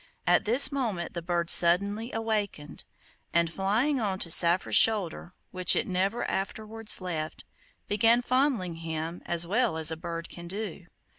At this moment the bird suddenly awakened, and, flying on to Saphir's shoulder (which it never afterwards left), began fondling him as well as a bird can do.